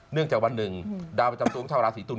เนื่องจากวันหนึ่งดาวประจำสูงชาวราศรีตุล